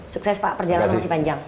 sukses pak perjalanan masih panjang